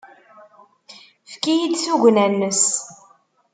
Efk-iyi-d tugna-nnes!